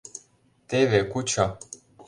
Теве кучо...